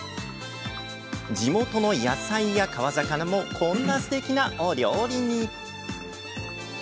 地元の野菜や川魚もこんなすてきなお料理に。